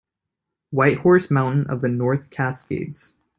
Whitehorse Mountain of the North Cascades.